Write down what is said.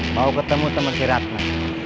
mau ketemu temen siratmu